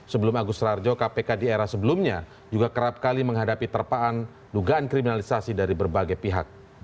sebelum agus rarjo kpk di era sebelumnya juga kerap kali menghadapi terpaan dugaan kriminalisasi dari berbagai pihak